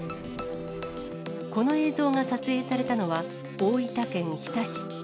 この映像が撮影されたのは、大分県日田市。